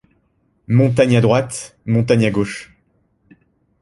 Montagnes à droite, montagnes à gauche.